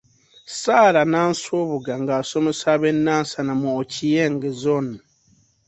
Sarah Nansubuga ng'asomesa ab'e Nansana mu Ochieng Zone.